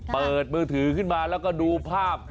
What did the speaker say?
เปิดมือถือขึ้นมาแล้วก็ดูภาพ